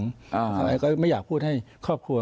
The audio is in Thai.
อะไรก็ไม่อยากพูดให้ครอบครัว